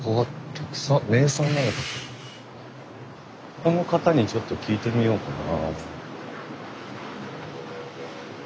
ここの方にちょっと聞いてみようかな。